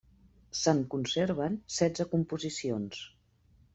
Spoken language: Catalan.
Se'n conserven setze composicions.